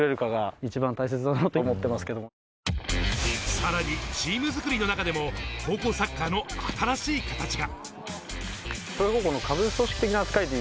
さらにチーム作りの中でも、高校サッカーの新しいカタチが。